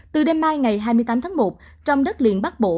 từ đêm mai ngày hai mươi tám tháng một trong đất liền bắc bộ